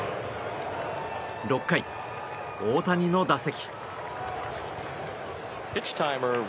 ６回、大谷の打席。